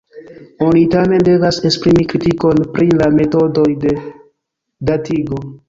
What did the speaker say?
Oni, tamen, devas esprimi kritikon pri la metodoj de datigo.